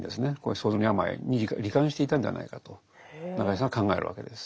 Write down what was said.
創造の病いに罹患していたんではないかと中井さんは考えるわけです。